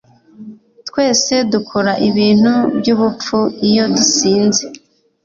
Twese dukora ibintu byubupfu iyo dusinze